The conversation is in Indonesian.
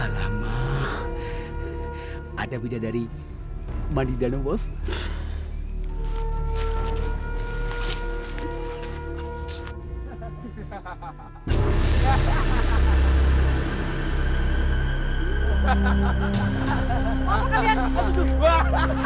sampai jumpa di video selanjutnya